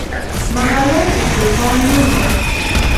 ملالۍ د چوپان لور وه.